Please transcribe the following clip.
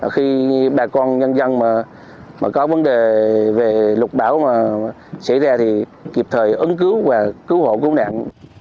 khi bà con nhân dân mà có vấn đề về lục bão mà xảy ra thì kịp thời ứng cứu và cứu hộ cứu nạn